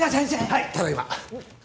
はいただいま。